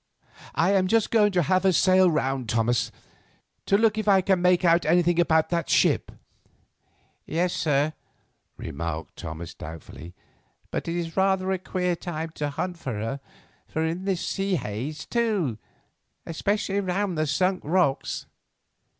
"I am just going to have a sail round, Thomas, to look if I can make out anything about that ship." "Yes, sir," remarked Thomas, doubtfully. "But it is rather a queer time to hunt for her, and in this sea haze too, especially round the Sunk Rocks.